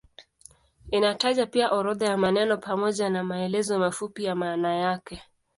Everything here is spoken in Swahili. Inataja pia orodha ya maneno pamoja na maelezo mafupi ya maana yake.